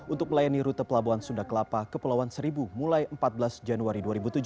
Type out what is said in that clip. untuk melayani rute pelabuhan sunda kelapa kepulauan seribu mulai empat belas januari dua ribu tujuh belas